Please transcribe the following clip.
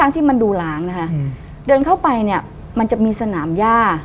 ทำไมมันจะมีสนามย่า